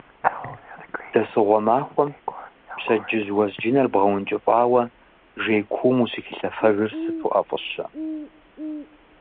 Дэсыгъуэ махуэм пщэдджыжь уэзджынэр бгъуэнкӏыфӏауэ жей куум ущыхилъафэжыр сыту ӏэфӏыщэ.